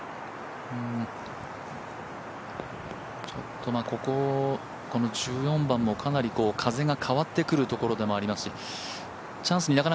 ちょっとここ、１４番もかなり風が変わってくるところでもありますしチャンスに